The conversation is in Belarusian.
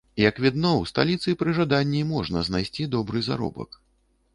Як відно, у сталіцы пры жаданні можна знайсці добры заробак.